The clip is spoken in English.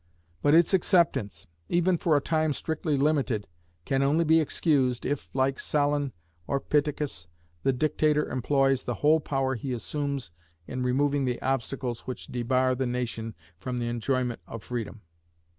But its acceptance, even for a time strictly limited, can only be excused, if, like Solon or Pittacus, the dictator employs the whole power he assumes in removing the obstacles which debar the nation from the enjoyment of freedom.